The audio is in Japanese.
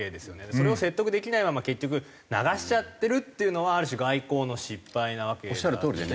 それを説得できないまま結局流しちゃってるっていうのはある種外交の失敗なわけであって。